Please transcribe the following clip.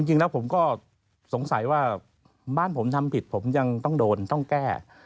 จริงแล้วผมก็สงสัยว่าบ้านผมทำผิดผมยังต้องโดนต้องแก้